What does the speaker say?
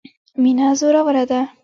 مینه زوروره ده.